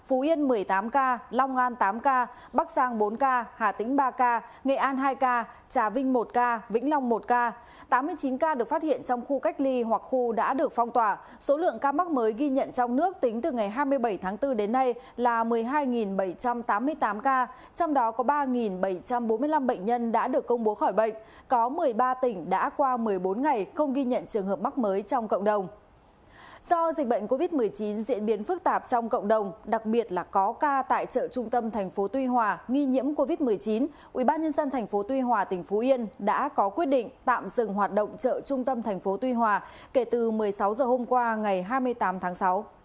ubnd tp tuy hòa tp yên đã có quyết định tạm dừng hoạt động chợ trung tâm tp tuy hòa kể từ một mươi sáu h hôm qua ngày hai mươi tám tháng sáu